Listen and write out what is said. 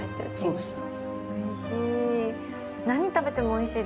おいしい。